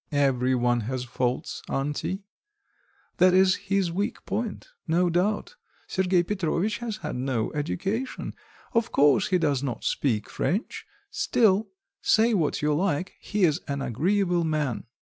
"Every one has faults, auntie; that is his weak point, no doubt. Sergei Petrovitch has had no education: of course he does not speak French, still, say what you like, he is an agreeable man."